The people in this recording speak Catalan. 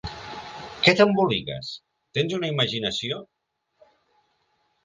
Què t'emboliques?: tens una imaginació...!